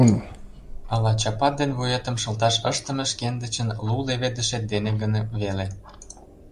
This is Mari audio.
Ала чапат ден вуетым шылташ ыштыме шкендычын лу леведышет дене гын веле...